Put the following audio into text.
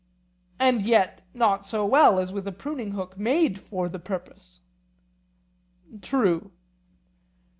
And yet not so well as with a pruning hook made for the purpose? True.